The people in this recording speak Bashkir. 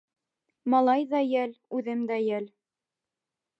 Малай ҙа йәл, үҙем дә йәл.